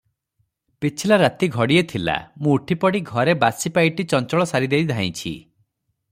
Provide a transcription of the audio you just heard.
ପିଛିଲା ରାତି ଘଡ଼ିଏ ଥିଲା, ମୁଁ ଉଠି ପଡ଼ି ଘରେ ବାସିପାଇଟି ଚଞ୍ଚଳ ସାରିଦେଇ ଧାଇଁଛି ।